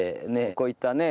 こういったね